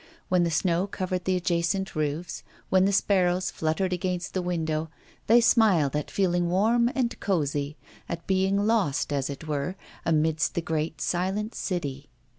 When the snow covered the adjacent roofs, when the sparrows fluttered against the window, they smiled at feeling warm and cosy, at being lost, as it were, amidst the great silent city.